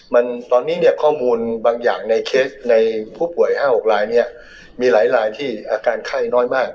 มันตอนนี้เนี่ยข้อมูลบางอย่างในเคสในผู้ป่วยห้าหกลายเนี่ยมีหลายลายที่อาการไข้น้อยมาก